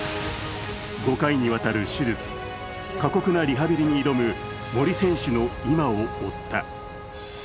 ５回にわたる手術、過酷なリハビリに挑む森選手の今を追った。